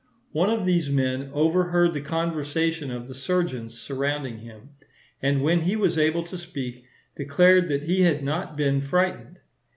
One of these men overheard the conversation of the surgeons surrounding him, and when he was able to speak, declared that he had not been frightened.